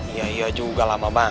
iya iya juga lama mbak